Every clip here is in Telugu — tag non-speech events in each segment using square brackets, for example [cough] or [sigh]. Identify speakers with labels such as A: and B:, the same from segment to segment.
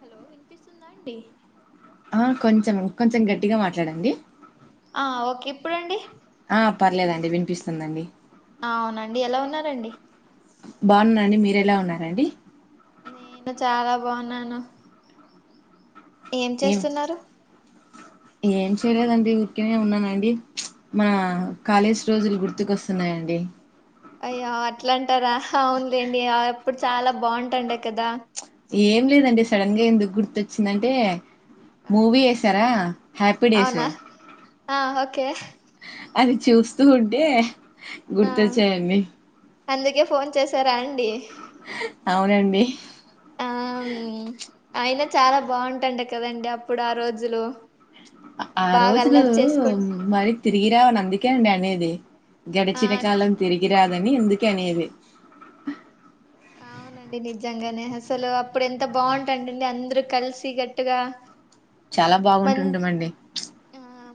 A: హలో వినిపిస్తుందా అండి
B: ఆ కొంచెం కొంచెం గట్టిగా మాట్లాడండి
A: ఆ ఓకె ఇప్పుడండి
B: ఆ పర్లేదండి వినిపిస్తుందండి
A: ఆవునండి ఎలా ఉన్నారండి
B: బాగున్న అండి మీరెలా ఉన్నారండి
A: నేను చాలా బాగున్నాను ఏం చేస్తున్నారు
B: ఏం చేయలేదండి ఊరికెనే ఉన్నానండి మన
A: ఆ
B: కాలేశ్ రోజులు గుర్తు గుర్తుకు వస్తున్నాయండి
A: అయ్యో అట్లా అంటారా హ అవునులేండి ఎప్పుడు చాలా బాగుంటండె కదా చ్
B: ఏం లేదండి సడన్ గా ఎందుకు గుర్తొచ్చిందంటే
A: ఆ
B: మూవీ ఏసారా హ్యాపీ డేస్
A: అవునా ఆ ఓకే
B: అది చూస్తూ ఉంటే
A: ఆ
B: గుర్తొచ్చాయండి
A: అందుకే ఫోన్ చేసారా అండి
B: అవునండి.
A: ఆ మీ అయినా చాలా బాగుంటండ కదండి అప్పుడు ఆ రోజులు.
B: ఆ
A: బాగా
B: రోజులూ
A: అల్లరి చేసుకుం
B: మరి తిరిగి రావని అందుకే అండి అనేది.
A: ఆ
B: గడిచిన కాలం తిరిగి తిరిగిరాదని అందుకే అనేది.
A: అవునండి నిజంగనే అసలూ అప్పుడు ఎంత బాగుంటాండండి అందరూ కలిసి గట్టుగా.
B: చాలా బాగుంటుండమండి ప్చ్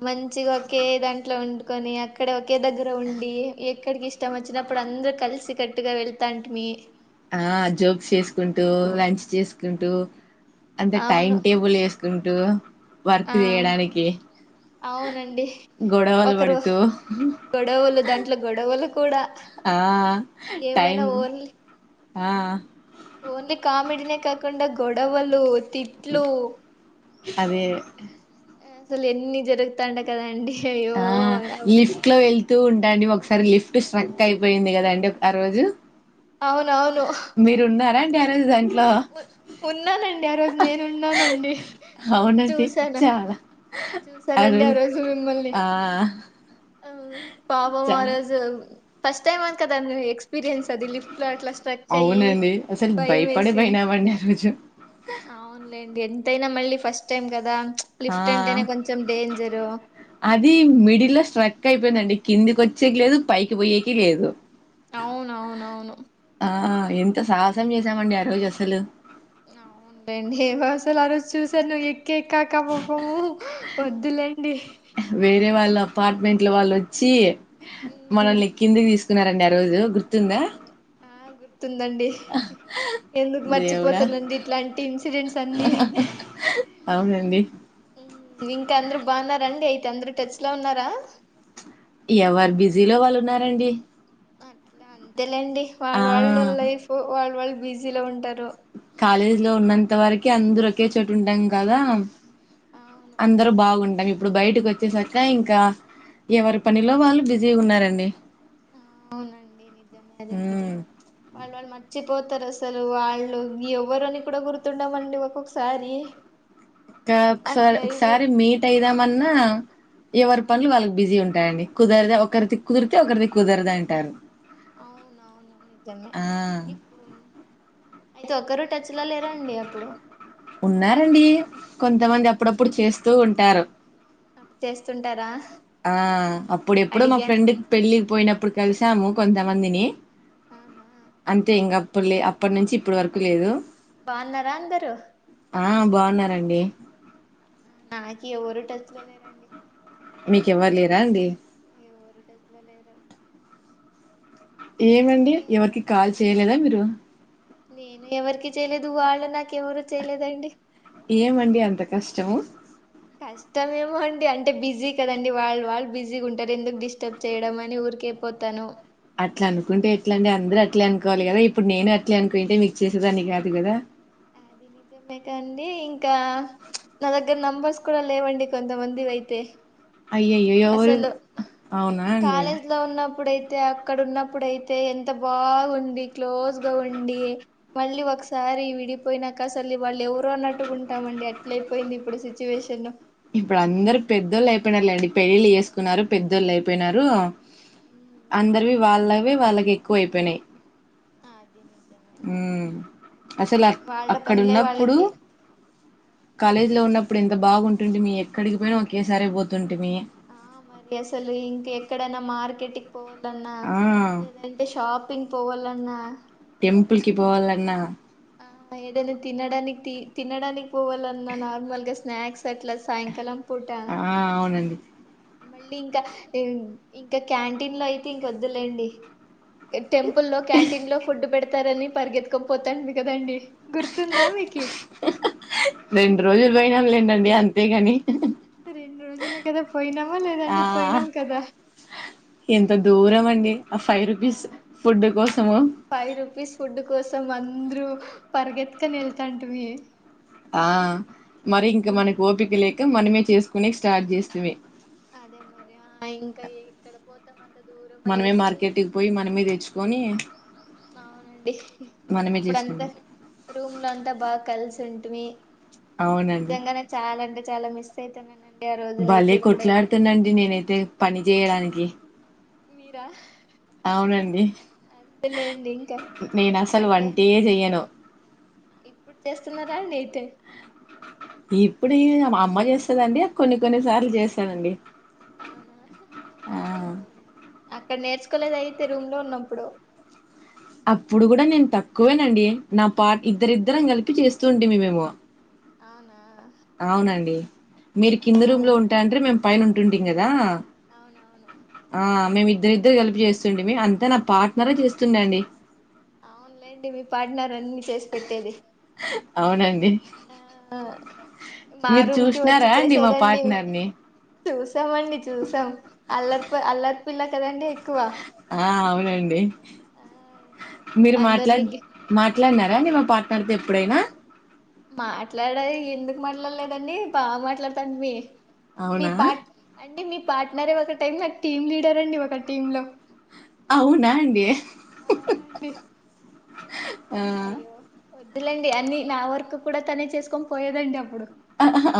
A: మంచిగ ఒకే దాంట్లో వండుకొని అక్కడ ఒకే దగ్గర ఉండీ. ఎక్కడికి ఇష్టం వచ్చినప్పుడు అందరూ కలిసి కట్టుగా వెళ్తాంటిమీ.
B: ఆ జోక్స్ చేసుకుంటూ, లంచ్ చేసుకుంటూ. అంటె టైం
A: అవును
B: టేబుల్ ఏస్ కుంటూ. వర్క్
A: ఆ
B: చేయడానికి.
A: అవునండి
B: గొడవలు
A: ఒకరు
B: పడుతూ.
A: గొడవలు దాంట్లో గొడవలు కూడా
B: ఆ
A: ఏమైనా
B: టైమ్
A: ఓన్లీ
B: ఆ
A: ఓన్లీ కామెడినే కాకుండ గొడవలూ.
B: అదే
A: అసలు ఎన్నీ జరుగుతాండె కదండి. అయ్యో
B: ఆ
A: అవ్-
B: లిఫ్ట్ లో ఎళ్తూ ఉంటండి ఒకస్ సార లిఫ్ట్ స్ట్రక్ అయిపోయింది గదా అండి ఆ రోజు.
A: అవునవును ఉహ్
B: డాడ్ కూడా అండీ
A: ఉన్నానండి ఆ రోజు నేను ఉన్నానండి.
B: అవునండి
A: చూసాను
B: చాలా
A: చూసానండి ఆ రోజు మిమ్మల్ని.
B: ఆ
A: ఆ పాపం
B: చా
A: ఆ రోజు. ఫస్ట్ టైమ్ అవున్ కదండి మీ ఎక్స్పీరియన్స్. అది లిఫ్ట్ లో అట్లా స్ట్రక్ అయ్యీ భయం వేసిం
B: నిజం
A: అవునులేండి ఎంత్ తైనా మళ్ళీ ఫస్ట్ టైం కదా.
B: ఆ
A: లిఫ్ట్ అంటేనే కొంచెం డేంజరు
B: అదీ మిడిల్ లో స్ట్రక్ అయిపోయిందండి. కిందికి వచ్చేకీ లేదు పైకి పోయేకీ లేదు.
A: అవునవును అవును.
B: ఆ ఎంత సాహసం చేసామండి ఆ రోజు అసలు.
A: అవునులెండి. ఏమో అసలు ఆ రోజు చూసాను ఎక్ కే కాక పాపము వద్దులేండి
B: పార్ట్మెంట్ల వాళ్ళు వచ్చి
A: ఉమ్,
B: మనం లెక్కింది తీసు ఉన్నారండి ఆ రోజు గుర్
A: అదే ఆ గుర్ గుర్తుందండి ఎందుకు
B: దేవుడా
A: మర్చిపోతనండి ఇట్లాంటి ఇన్సిడెంట్స్ అన్ని
B: అవునండి
A: ఇంకా అందరు బాగున్నరండి అయితే అందరు టచ్ లో ఉన్నారా
B: ఎవరు బిజీలో వాళ్ళు ఉన్నారండి
A: అట్లా అంతే లెండి
B: ఆ
A: వాళ్ళు వాళ్ళు లా లైఫ్ వాళ్ళు వాళ్ళు బిజీలో ఉంటారు
B: కాలేజీ లో ఉన్నంత వరక్ కి అందరు ఒకే చోటు ఉంటాం గదా
A: అవును
B: అందరు బాగుంన్ అవి ఇప్పుడు బయటకి వచ్చేసరిక ఇంకా ఎవరి పనిలో వాళ్ళు బిజీ ఉన్నారండి
A: ఆ అవునండి నిజమే అదే
B: ఉమ్
A: మాత్రమా వాళ్ళు వాళ్ళు మర్చిత్ పోతారు అసలు వాళ్ళు ఎవరని కూడా గుర్తుండమండి ఒక్కొక్కసారి
B: ఇంకా ఒకసారి
A: అట్లా
B: ఒకసారి
A: అయిపోతారు
B: మీట్ అయిదామన్నా
A: ఆ
B: ఎవరి పనులు వాళ్ళకి బిజీ ఉంటాయండి కుదరదు ఒకరిది కుదిరితే ఒకరిది కుదరదు అంటారు
A: అవునవును నిజమే ఇప్పుడు అయితే ఒక్క రూట్
B: ఉన్నారండి కొంతమంది అప్పుడప్పుడు చేస్ వ తూ ఉంటారు
A: అప్ చేస్తుంటారా
B: ఆ అప్పుడెప్పుడో మా
A: అడిగాను
B: ఫ్రెండ్ క్ పెళ్ళి పోయినప్పుడు కలిసాము కొంతమందిని
A: అవునా
B: అంతే ఇంగమ్ ఇప్పుడు లే అప్పటి నుంచి ఇప్పడు వరకు లేదు
A: బాగున్నారా అందరు
B: ఆ బాగున్నారండి
A: నాకి ఎవరు టచ్ లో లేరండి
B: మీకెవ్వరు లేరా అండి
A: నోరు టెస్ట్ ల లేదు
B: ఏమండి ఎవరికి కాల్ చేయలేదా మీరు
A: నేను ఎవరికి చేయలేదు వాళ్ళు నాకు ఎవరు చేయలేదండి
B: ఏమండి అంత కష్టము
A: కష్టం ఏమో అండి అంటే బిజీ కదండి వాళ్ళు వాళ్ళు బిజీ ఉంటారు ఎందుకు డిస్టర్బ్ చేయడం అని ఊరికే పోతాను
B: అట్లా అనుకుంటే ఎట్లా అండి అందరూ అట్లే అనుకోవాలి కదా ఇప్పుడు నేను అట్లే అనుకునింటే మీకు చేసేదాన్ని కాదు కదా
A: అది నిజమే కండి ఇంకా నా దగ్గర నెంబర్స్ కూడా లేవండి కొంతమందివయితే
B: అయ్యయ్యో ఎవరు అవునా అండి
A: తే అక్కడ ఉన్నప్పుడుయితే ఎంత బాగుంది క్లోజ్గా ఉండి మళ్ళీ ఒకసారి విడి పోయినాక అసలు వాళ్ళు ఎవరో అన్నట్టుగుంటామండి అట్లైపోయింది ఇప్పుడు సిచ్యువేషన్
B: ఇప్పుడు అందరు పెద్దోళ్ళు అయిపోయినారు లేండి పెళ్ళిళ్ళు చేసుకున్నారు పెద్దోళ్ళు అయిపోయినారు అందరివీ వాళ్ళై వి వాళ్ళకి ఎక్కువ అయిపోయినాయి
A: ఆ అదినీ
B: ఉమ్ అసలు అక్
A: వాళ్ళ పనులే
B: అక్కడున్నప్పుడు
A: వాళ్ళకి
B: కాలేజ్ లో ఉన్నప్ ప్పుడెంత బాగుంటుండిమి ఎక్కడికి పోయినా ఒకేసారి పోతుంటిమి
A: ఆ మరి అసలు ఇంక ఎక్కడనా మార్కెట్ పోవాలన్నా
B: ఆ
A: లేదంటే షాపింగ్ పోవాలన్నా
B: టెంపుల్ కి పోవాలన్నా
A: ఆ ఏదనా తినడానికి తి తినడానికి పోవాలన్నా నార్మల్గా స్నాక్స్ తెట్లా సాయంకాలం పూట
B: ఆ అవునండి
A: మళ్ళీ ఇంకా ఇంక క్యాంటీన్ లో అయితే ఇంకొద్దులేండి టెంపుల్ లో క్యాంటీన్ లో ఫుడ్ పెడు తారని పరిగెత్కపోతాంది కదండి గుర్తుందా మీకి
B: ఏండండి అంతేగాని
A: రెండు రోజులే కదా పోయినామా
B: ఆ
A: లేదండి పోయినాం కదా
B: ఎంత దూరం అండి ఆ ఫైవ్ రూపీస్ ఫుడ్ కోసము
A: ఫైవ్ ఆ రూపీస్ ఫుడ్ కోసం అన్ అంద్రూ పర్గెత్కనెల్తాంటిమి
B: ఆ మరి ఇంకా మనకి ఓపిక లే క మనమే చేసుకొనేకి స్టార్ట్ చేస్తిమీ
A: అదే మరి ఆ ఇంక ఎక్కడ పోతామన్
B: మనమే మార్కెట్టుకు పోయి మనమే తెచ్చుకొని
A: అవునండి
B: మనమే
A: అప్పుడంతా
B: చేసుకునేది
A: రూమ్ లో అంతా బాగా కలిసి ఉంటివి
B: అవునండి
A: నిజంగానే చాలా అంటే చాలా మిస్ అయితానన్
B: భలే కొట్లాడుతనండి నేనైతే పని చెయ్యడానికి
A: మీరా
B: అవునండి
A: అంతేలేండి ఇంకా
B: నేనస్సలు
A: అంటే
B: వంటే చెయను
A: ఇప్పుడు చేస్తున్నారా అండి అయితే
B: ఇప్పుడు అమ్మ చేస్తాదండి కొన్ని కొన్ని సార్లు చేస్తానండి
A: అవునా
B: ఆ
A: అక్కడ నేర్చుకోలేదు అయితే రూమ్ లో ఉన్నప్పుడు
B: అప్పుడు కూడా నేను తక్కువేనండి నా పాట ఇద్దరిద్దరం కలిపి చేస్తూ ఉంటేవి మేము
A: అవునా
B: అవునండి మీరు కింద
A: ఆ
B: రూమ్ లో ఉంటా అంటే మేము పైను ఉంట ఉంటడింగదా
A: అవునవును
B: ఆ మేము ఇద్దరు ఇద్దరు కలిపి చేస్తుండి మీ అంతా నా పార్ట్నరే చేస్తుండే అండి
A: అవునులేండి మీ పార్ట్నార్ అన్ని చేసి పెట్టేది
B: అవునండి
A: ఆ మా
B: మీరు
A: రూమ్ కి
B: చూసినారా అండి మా పార్ట్నర్ ని
A: తేస్ చసామండి చూసాం అల్లర్ అల్లర్ పిల్ల కదా అండి
B: ఆ రండి
A: ఆ
B: మీరు మాట్లా
A: అందరిని
B: మాట్లాడినారా మా పా పెర్దు ఎప్పుడైనా
A: మాట్లాడ ఎందుకు మాట్లాడలేదండి బాగా మాట్లాడతాం మీ మీ
B: అవునా
A: పాట్ అంటే మీ పాట్నారే ఒక టైం నాకు టీమ్ లీడర్ అండి ఒక టీమ్ లో
B: అవునా అండి
A: అవునండి
B: ఆ
A: అయ్యో వద్దు వదిలండి అన్ని నా వర్కు కూడా తనే చేసుకొని పోయేదండి అప్పుడు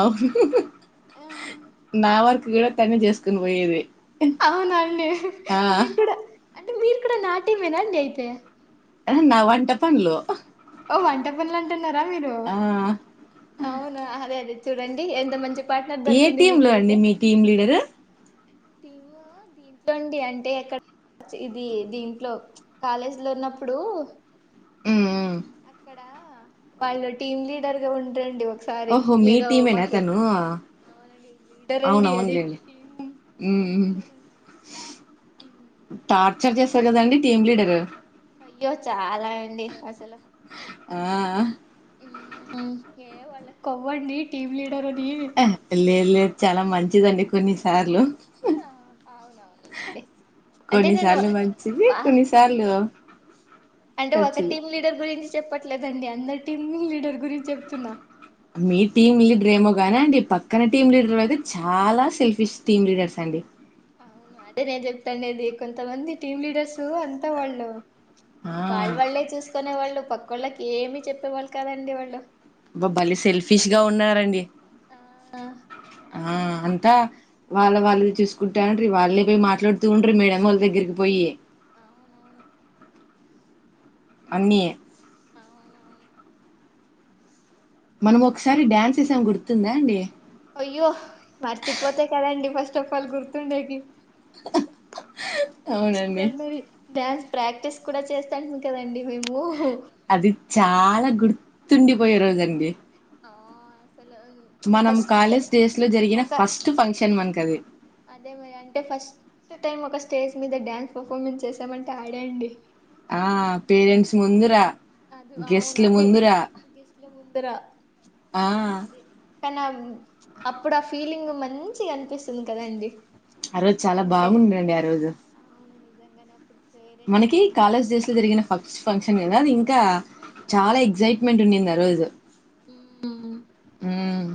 B: అవును
A: ఆ
B: నా వర్క్ కూడా తనే చేసుకుని పోయేది
A: అవునండి
B: ఆ
A: మీరు కూడా అంటే మీరు కూడా నా టేమ్ ఎన్నా అండి అయితే
B: అ నా వంట పన్లు
A: ఓ వంట పనులు అంటున్నారా మీరు అవునా అదే అదే చూడండి ఎంత మంచి పార్ట్నర్
B: ఏ
A: దొరికింది
B: టీం లో
A: మీకైతే
B: అండి మీ టీం లీడరు
A: టీము దీంట్లోండి అంటే ఎక్కడ ఇది దీంట్లో కాలేజీ లో ఉన్నప్పుడు
B: ఉమ్ ఉమ్
A: అక్కడా, వాళ్ళ టీమ్ లీడర్గా ఉంటుమ్డి ఒక్
B: ఓహో మీ టీమేనా తనూ?
A: అవునండి లీడర్
B: అవును
A: అండి అది
B: అవున్లెండి.
A: Team
B: um
A: team
B: um
A: leader అండి ఉమ్.
B: తా చెక్ చేస్తరు కదండి, టీమ్ లీడరు?
A: అయ్యో చాలా అండి అసలు.
B: ఆ
A: ఉమ్ ఉమ్, ఏ వాళ్ళక్ కొవ్వండి టీమ్ లీడ్
B: లేదు లేదు, చాలా మంచి లేదండి కొన్నిసార్లు.
A: ఆ అవునవునులేండి అంటే నేను
B: కొన్నిసార్లు మంచిది,
A: వా
B: కొన్నిసార్లు
A: అంటే, ఒక
B: ఖర్చులు
A: టీమ్ లీడర్ గురించ్ చెప్పట్లేదండి, అందరి టీమ్ లీడర్ గురించి చెప్తున్నా.
B: గనీ అండి, పక్కన టీమ్ లీడర్ అయితే చాలా సెల్ఫిష్ టీమ్ లీడర్స్ అండి.
A: అవును అదే నేన్ చెప్తాండేది, కొంత మంది టీమ్ లీడర్సు అంతా వాళ్ళు.
B: ఆ
A: వాళ్ళు వాళ్ళే చూసుకునే వాళ్ళు పక్కో ళ్ళకి ఏమి చెప్పేవాళ్ళు, కాదండి వాళ్ళు.
B: అబ్బ బలె సెల్ఫిష్గా ఉన్నారండి.
A: ఆ
B: ఆ అంతా, వాళ్ళది వాళ్ళు చూసుకుంటాంట్రీ. వాల్లె పోయి మాట్లాడుతూ ఉంట్రి మేడం ఓళ్ దగ్గరికి పోయి.
A: అవునవును.
B: అన్నీ
A: అవునవును.
B: మనం ఒకసారి డాన్స్ ఎసామ్ గుర్తు తుందా అండి?
A: అయ్యో, మర్చిపోతే కదండి ఫస్ట్ ఆఫ్ ఆల్ గుర్తుండేకి?
B: అవునండి
A: ఎక్స్ట్రార్డినరీ డాన్ ప్రాక్టీస్ కూడ చేస్థాంటిమి కదండి మేము.
B: అది చాలా గుర్తుండిపోయే రోజు అండి.
A: ఆ అసలు ఫస్ట్
B: కాలేజ్ డేస్ లో జరిగిన
A: ఒక,
B: ఫస్ట్ ఫంక్షన్ మనకది
A: అదేమి అంటే ఫస్ట్ టైం ఒక స్టేజ్ మీద డాన్స్ పర్ఫార్మెన్స్ చేసామంటే ఆడే అండి.
B: ఆ పేరెంట్స్ ముందురా.
A: అది అవును,
B: గెస్ట్ల
A: అదే
B: ముందురా
A: గెస్ట్ల ముందర.
B: ఆ
A: కదా అదే కనీ ఆ అప్పుడ ఆ ఫీలింగ్ మంచీగనిపిస్తుంది కదండి?
B: ఆ రోజు చాల బాగుండె నండి, ఆ రోజు.
A: నిజంగనే అప్పుడు పేరెంట్స్
B: మనకి
A: వచ్చిండ్రు
B: కాలేజ్ డేస్ లో జరిగిన ఫస్ట్ ఫంక్షన్ కదాది. కా చాల
A: అవునవును
B: ఎక్సైట్మెంట్ ఉండింది ఆ రోజు.
A: ఉమ్
B: ఉమ్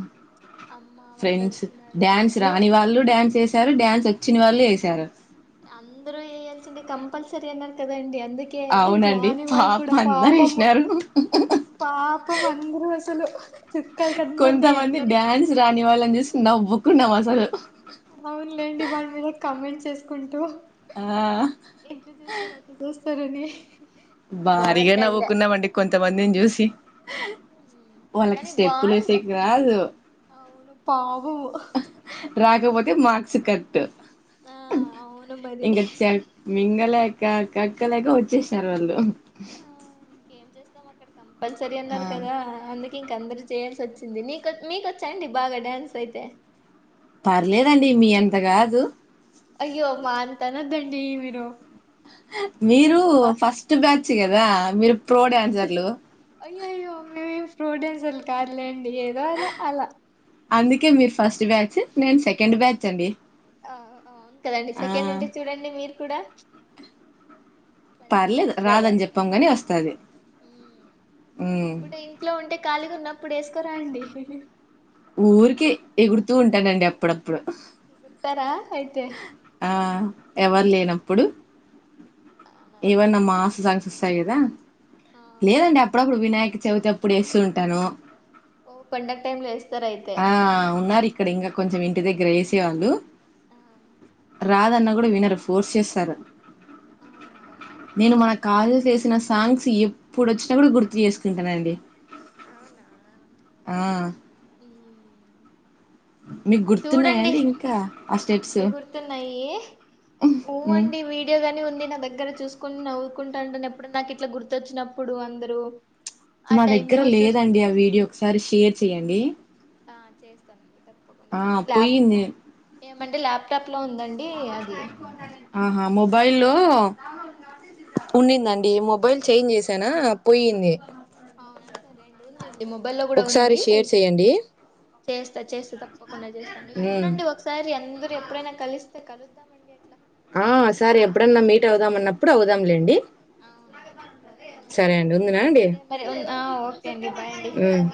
A: అమ్మ వాళ్ళు
B: ఫ్రెండ్స్,
A: వచ్చినారు
B: డ్యాన్స్
A: మీ
B: రాని వాళ్ళు డ్యాన్స్ ఏస్ డ్యాన్స్ వచ్చిన వాళ్ళు ఏసారు
A: అందరూ ఏయాల్సిందే కంపల్సరీ అన్నారు కదా అన్ అందుకే ఇంక
B: అవునండి
A: రాని వాళ్ళు కూడా
B: పాపం అందరు
A: పాపము
B: ఏసినారు
A: పాపం అందరూ అసలు చుక్కాల కన్పడ్నయ్
B: కొంతమంది
A: అందరికి.
B: కున్నావసలు
A: అవున్ లేండి వాళ్ల మీద కమెంట్స్ చేసుకుంటూ
B: ఆ
A: ఎట జూస్తర్ అటు జూస్తర్ అనీ చూస్తారని
B: భారీగా నవ్వుకున్నామండి కొంతమందిని చూసి వాళ్ళకి
A: కానీ
B: స్టెప్పులు
A: బాగుండ
B: ఏసేకి రాదు.
A: అవును పాపము
B: రాకపోత్ మాక్స్ కట్
A: ఆ అవును మది
B: ఇంకా చ మింగలేక కక్కలేక వచ్చేస్న [unintelligible]
A: ఏం చేస్తాం అక్కడ కం ప్పల్ సరి
B: ఆ
A: అన్నర్ కదా అందిక్ ఇంక అందరు చేయాల్సి వచ్చింది నీకొచ్ మీకొచ్చా అండి బాగా డ్యాన్స్ అయితే
B: పర్లేదండి మీ అంత కాదు
A: అయ్యో మా అంత అనొద్దండి మీరు
B: మీరు ఫస్ట్ బ్యాచ్ కదా మీరు ప్రో డాన్సర్లు
A: అయ్యాయ్యో మేమేం ప్రోడెన్సెల్ కాదులేం ఏదో అలా అలా
B: అందుకే మీరు ఫస్ట్ బ్యాచ్ నేను సెకండ్ బ్యాచ్ అండి
A: అవును కదండి సెకండ్
B: ఆ
A: అంటే చూడండి మీరు కూడ [inaudible] మంచిగ
B: పర్లేదు
A: చేస్తారా
B: రాదని చెప్పాం గాని వస్తది ఉమ్.
A: ఇప్పుడు ఇంట్లో ఉంటే ఖాళీగా ఉన్నప్పుడు ఏసుకోన్ రండి
B: ఊరికే ఎగురుతూ ఉంటానండి అప్పుడప్ పుడు
A: గుర్తారా అయితే
B: ఆ ఎవరు లేనప్పుడు
A: అవునా
B: ఏవైన మాస్ సాంగ్స్ ఒస్తయ్ గదా
A: ఆ
B: లేదండి అప్పుడప్పుడు వినాయక్ చవితప్పుడు వేస్తూ ఉంటాను
A: ఓ పండగ్ టైమ్లో ఏస్
B: ఆ ఉన్నారిక్కడ ఇంగ కొంచెం ఇంటి దగ్గర వేసేవాళ్ళు
A: ఆ [inaudible]
B: రాదన్న కూడా వినరు ఫోర్స్ చేస్తారు
A: అవునవునా
B: నేను మా కాలు చేసినస్ సాంగ్స్ ఎప్పుడు వచ్చినా కూడా గుర్తు చేసుకుంటానండి
A: అవునా
B: ఆ
A: మ్మ్.
B: మీకు
A: చూడండి
B: గుర్తున్నాయండి ఇంకా ఆ స్టెప్స్
A: అన్ని గుర్తున్నాయి ఊ
B: ఉమ్.
A: అండి వీడియోగాని ఉంది నా దగ్గర చూస్ కు నవ్వుకుంటాంటను ఎప్పుడు నాకు ఇట్లా గుర్తొచ్చినప్పుడు అందరు
B: మా దగ్గర లేదండి ఆ వీడియో ఒకసారి షేర్ చెయ్యండి
A: ఆ చేస్తానండి
B: ఆ పోయింది
A: మండే ల్యాప్టాప్ లో ఉందండి అది
B: ఆహా మొబైల్ లో ఉండిందండి మొబైల్ చేంజ్ చేసానా పోయింది
A: అవునా సరే అండి ఉంది ఉంది మొబైల్లో కూడా
B: ఒకసారి
A: ఉంది
B: షేర్ చెయ్యండి
A: చేస్తా చేస్ తప్పకుండా చేస్తాం చూడండి ఒకసారి అందు ఎప్పుడైనా కలిస్తే కలుద్దాంమండి [unintelligible]
B: ఆ సరే ఎప్పుడన్నా మీట్ అవుదాం అన్నప్పుడు అవుదాంలేండి సరే అండి ఉందునా అండి
A: సరే మరి ఓకే అండి బాయ్ అండి
B: ఉమ్